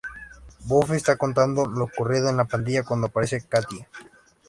Buffy está contando lo ocurrido a la pandilla cuando aparece Kathie.